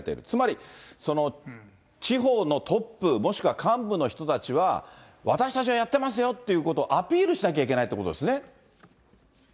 つまり、その、地方のトップ、もしくは幹部の人たちは私たちはやってますよってことをアピールしなきゃいけないということですね。